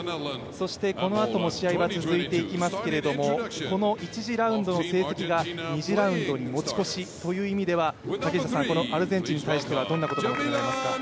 そしてこのあとも試合は続いていきますけれども、この１次ラウンドの成績が２次ラウンドに持ち越しとなりますとこのアルゼンチン戦に対してどんなことが求められますか。